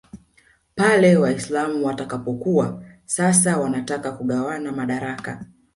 pale Waislam watakapokuwa sasa wanataka kugawana madaraka